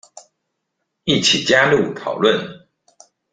一起加入討論